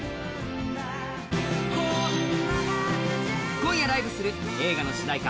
今夜ライブする映画の主題歌